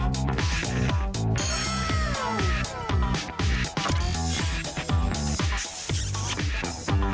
สกใจแล้วค่ะ